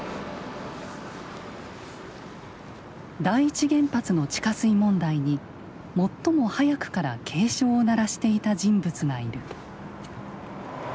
第一原発の地下水問題に最も早くから警鐘を鳴らしていた人物がいる。